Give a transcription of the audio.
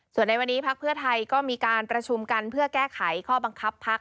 ส่วนในวันนี้พักเพื่อไทยก็มีการประชุมกันเพื่อแก้ไขข้อบังคับพัก